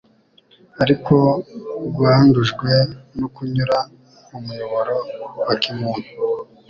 ariko rwandujwe no kunyura mu muyoboro wa kimuntu.